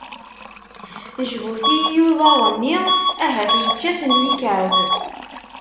Jbut i iyuzaḍ-nni, ahat yečča-ten yikεeb!